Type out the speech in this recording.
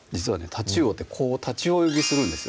太刀魚ってこう立ち泳ぎするんですよ